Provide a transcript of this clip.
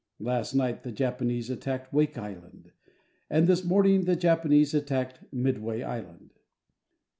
Last night, the Japanese attacked Wake Island. And this morning, the Japanese attacked Midway Island.